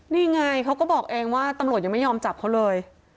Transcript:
นี่ไงเขาก็บอกเองว่าตำรวจยังไม่ยอมจับเขาเลย